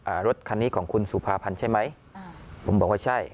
รถคันนี้ของคุณสุภาพันธ์ใช่ไหมอ่าผมบอกว่าใช่